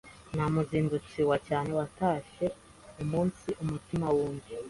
nta muzindutsi wa cyane watashye umunsi mutima w’undi